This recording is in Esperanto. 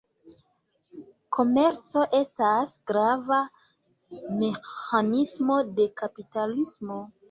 Komerco estas grava meĥanismo de kapitalismo.